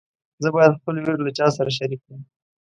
زه باید خپل ویر له چا سره شریک کړم.